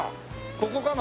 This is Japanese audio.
ここかな？